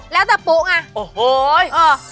แล้วแต่ปุ๊กไง